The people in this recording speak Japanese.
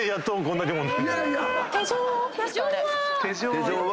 手錠は？